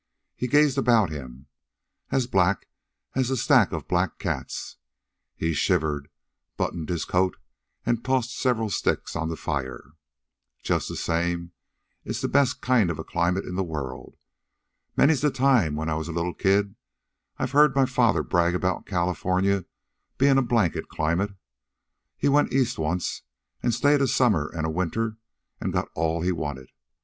He gazed about him. "An' black as a stack of black cats." He shivered, buttoned his coat, and tossed several sticks on the fire. "Just the same, it's the best kind of a climate in the world. Many's the time, when I was a little kid, I've heard my father brag about California's bein' a blanket climate. He went East, once, an' staid a summer an' a winter, an' got all he wanted.